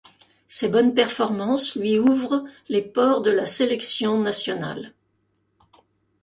Ses bonnes performances lui ouvre les ports de la sélection nationale.